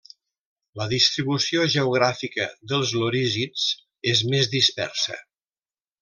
La distribució geogràfica dels lorísids, és més dispersa.